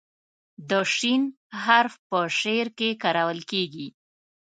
د "ش" حرف په شعر کې کارول کیږي.